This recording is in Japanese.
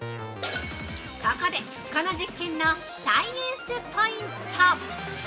ここで、この実験のサイエンスポイント！